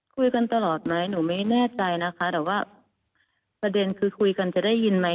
คุยกันตลอดไหมหนูไม่แน่ใจนะคะแต่ว่าประเด็นคือคุยกันจะได้ยินไหม